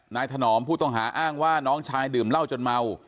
ถนอมผู้ต้องหาอ้างว่าน้องชายดื่มเหล้าจนเมา